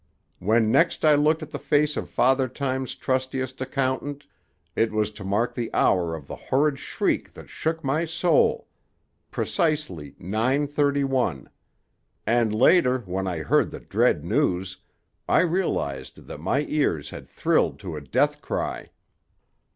When next I looked at the face of Father Time's trustiest accountant, it was to mark the hour of the horrid shriek that shook my soul; precisely nine thirty one. And later, when I heard the dread news, I realized that my ears had thrilled to a death cry."